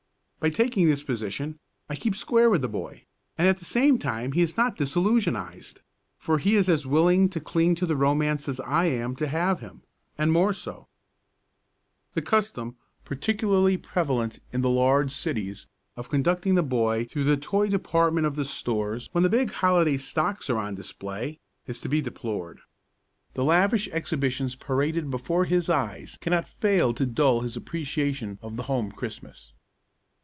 By taking this position I keep square with the boy, and at the same time he is not disillusionised, for he is as willing to cling to the romance as I am to have him and more so. The custom, particularly prevalent in the large cities, of conducting the boy through the toy department of the stores when the big holiday stocks are on display, is to be deplored. The lavish exhibitions paraded before his eyes cannot fail to dull his appreciation of the home Christmas.